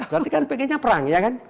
berarti kan pengennya perang ya kan